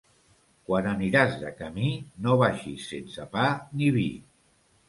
Quan aniràs de camí, no vagis sense pa ni vi.